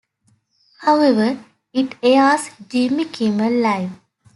However, it airs Jimmy Kimmel Live!